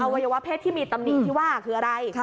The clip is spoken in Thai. วัยวะเพศที่มีตำหนิที่ว่าคืออะไร